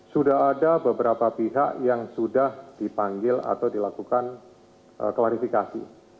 sudah ada beberapa pihak yang sudah dipanggil atau dilakukan klarifikasi